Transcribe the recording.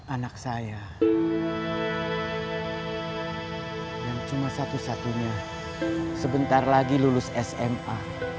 anak saya yang cuma satu satunya sebentar lagi lulus sma